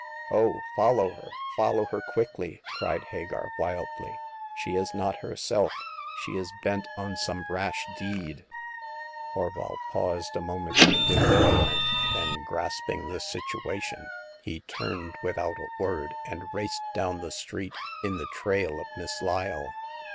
''Oh, follow her — follow her quickly 1 '' cried Hagar, wildly ;she is not herself ; she is bent on some rash deed !*' Horval paused a moment in bewilderment ; then, grasping the situation, he turned, without a word, and raced down the street in the trail of Miss Lyle.